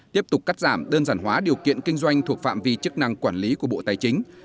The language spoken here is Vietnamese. tiếp tục cắt giảm đơn giản hóa điều kiện kinh doanh thuộc phạm vi chức năng quản lý của bộ tài chính